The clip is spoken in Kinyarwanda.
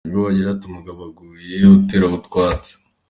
nibwo bagira bati: “Aho umugabo aguye uteraho utwatsi.”